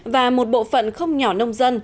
và một bộ phận không nhỏ nông dân